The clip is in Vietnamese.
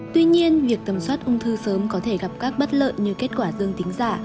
tuy nhiên việc tầm soát ung thư sớm có thể gặp các bất lợi như kết quả dương tính giả